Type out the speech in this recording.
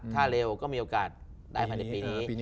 ถ้าเร็วก็มีโอกาสได้ภายในปีนี้